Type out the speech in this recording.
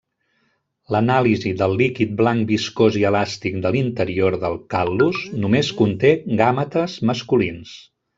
L'anàlisi del líquid blanc viscós i elàstic de l'interior del cal·lus només conté gàmetes masculins.